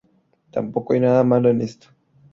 Tampoco hay nada malo en esto.